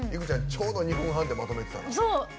ちょうど２分半でまとめてたな。